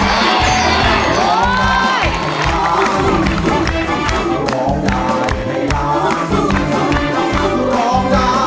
ร้องได้ทั้งคู่ค่ะ